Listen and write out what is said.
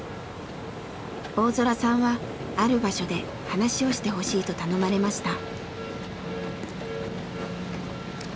大空さんはある場所で話をしてほしいと頼まれました。